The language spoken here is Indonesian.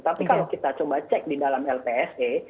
tapi kalau kita coba cek di dalam lpse